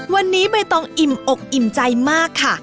วันนี้ใบตองอิ่มอกอิ่มใจมากค่ะ